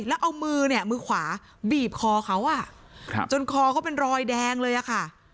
เพราะมือมือขวาบีบคอเขาอ่ะจนคอเขาเป็นรอยแดงเลยอ่ะค่ะ